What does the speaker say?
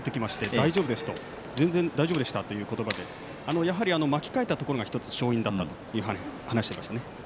大丈夫ですと全然大丈夫でしたという言葉で巻き替えたところが１つ勝因だったという話をしていました。